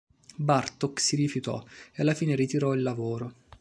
Bartók si rifiutò, e alla fine ritirò il lavoro.